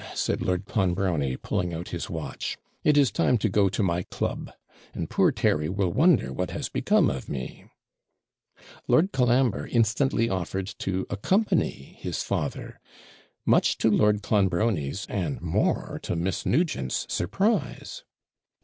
said Lord Clonbrony, pulling out his watch. 'It is time to go to my club; and poor Terry will wonder what has become of me.' Lord Colambre instantly offered to accompany his father; much to Lord Clonbrony's, and more to Miss Nugent's surprise.